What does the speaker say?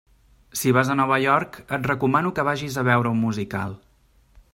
Si vas a Nova York et recomano que vagis a veure un musical.